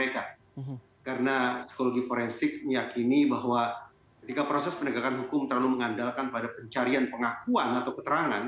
karena psikologi forensik meyakini bahwa ketika proses penegakan hukum terlalu mengandalkan pada pencarian pengakuan atau keterangan